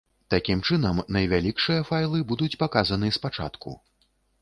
Такім чынам, найвялікшыя файлы будуць паказаны спачатку.